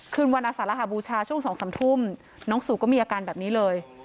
คืนวันอสารหบูชาช่วง๒๓ทุ่มน้องสู่ก็มีอาการแบบนี้เลย